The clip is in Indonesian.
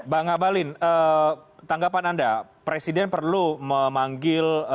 bang abalin tanggapan anda presiden perlu memanggil